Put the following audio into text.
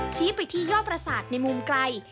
ชี้ไปที่ยอดประสาทในมุมไกล